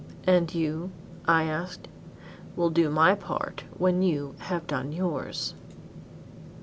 "And you," I asked. "Will do my part when you have done yours."